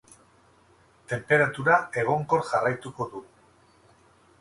Tenperatura egonkor jarraituko du.